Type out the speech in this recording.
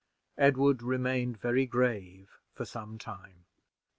Edward remained very grave for some time.